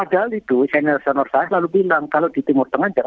jadi semakin tak salah dimananya